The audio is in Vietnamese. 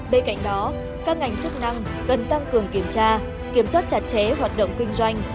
bên cạnh đó các ngành chức năng cần tăng cường kiểm tra kiểm soát chặt chẽ hoạt động kinh doanh